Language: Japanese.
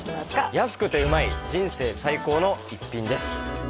安くてうまい人生最高の一品です